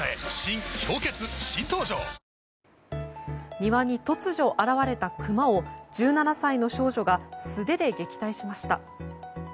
庭に突如現れたクマを１７歳の少女が素手で撃退しました。